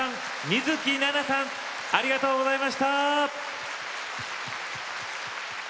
水樹奈々さんありがとうございました。